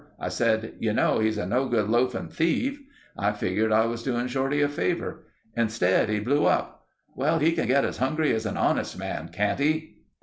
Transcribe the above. I said, 'You know he's a no good loafing thief.' I figured I was doing Shorty a favor. Instead, he blew up. 'Well, he can get as hungry as an honest man, can't he?